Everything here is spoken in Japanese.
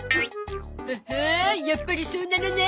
ははんやっぱりそうなのね。